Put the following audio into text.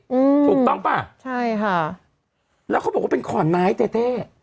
อืมถูกต้องป่ะใช่ค่ะแล้วเขาบอกว่าเป็นขอนไม้เต้เต้